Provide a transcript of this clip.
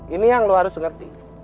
ini yang lo harus ngerti